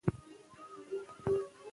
نورو ته کار پیدا کړئ.